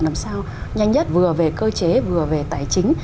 làm sao nhanh nhất vừa về cơ chế vừa về tài chính